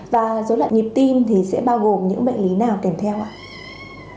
và dối loạn nhịp tim thì sẽ bao gồm những bệnh lý nào kèm theo ạ